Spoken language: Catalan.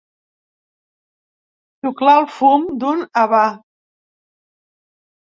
Xuclar el fum d'un havà.